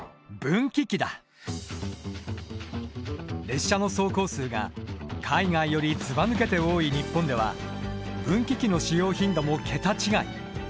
列車の走行数が海外よりずばぬけて多い日本では分岐器の使用頻度も桁違い。